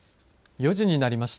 ４時になりました。